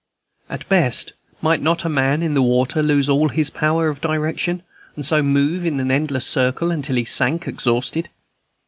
At best, might not a man in the water lose all his power of direction, and so move in an endless circle until he sank exhausted?